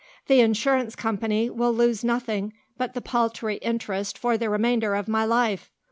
The Insurance Company will lose nothing but the paltry interest for the remainder of my life.